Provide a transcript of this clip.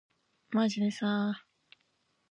まじでさ